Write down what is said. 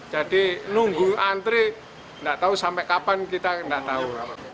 jadi nunggu antre tidak tahu sampai kapan kita tidak tahu